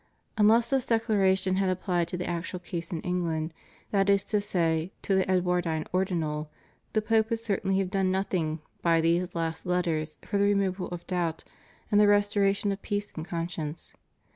Unless this declara tion had appUed to the actual case in England, that is to say to the Edwardine Ordinal, the Pope would certainly have done nothing by these last Letters for the removal of doubt and the restoration of peace of conscience.